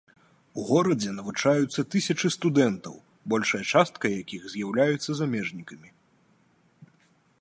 У горадзе навучаюцца тысячы студэнтаў, большая частка якіх з'яўляецца замежнікамі.